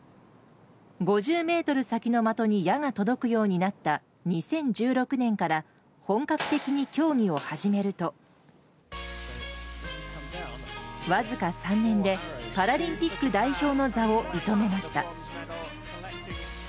５０ｍ先の的に矢が届くようになった２０１６年から本格的に競技を始めるとわずか３年でパラリンピック代表の座を射止めました。